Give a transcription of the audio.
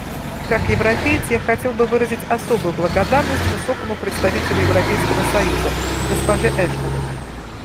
Как европеец я хотел бы выразить особую благодарность Высокому представителю Европейского союза госпоже Эштон.